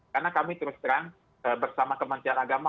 karena kami terus terang bersama kementerian agama